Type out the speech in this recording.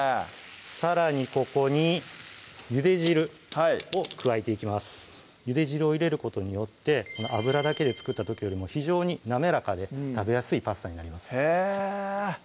さらにここにゆで汁を加えていきますゆで汁を入れることによって油だけで作った時よりも非常に滑らかで食べやすいパスタになりますへぇ！